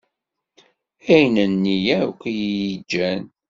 Ayen-nni akk i yi-iǧǧan.